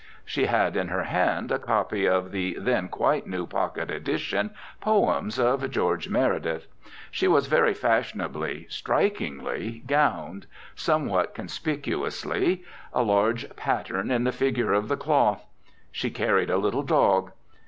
She had in her hand a copy of the then quite new pocket edition "Poems" of George Meredith. She was very fashionably, strikingly, gowned, somewhat conspicuously; a large pattern in the figure of the cloth. She carried a little dog.